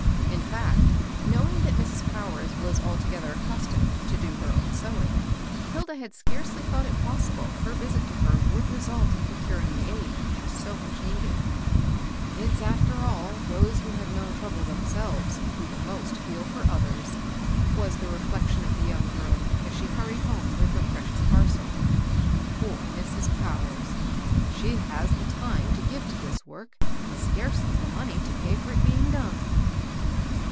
In &ct, knowing that Mrs. Powers was altogether accus tomed to do her own sewing, Hilda had scarcely thought it possible her visit to her would result in procuring the aid she so much needed. "It's after all, those who have known trouble themselves, who the most feel for others," was the reflection of the young girl, as she hurried home with her precious parcel. "Poor Mrs. Powers. I 876 MABEL ROSS. she has the time to give to this work, and scarcdj the money to pay for it being done."